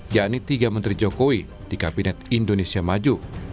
yakni tiga menteri jokowi di kabinet indonesia maju